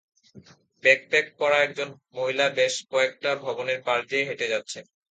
Backpack পরা একজন মহিলা বেশ কয়েকটা ভবনের পাশ দিয়ে হেঁটে যাচ্ছেন।